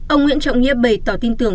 ông nguyễn trọng nghĩa bày tỏ tin tưởng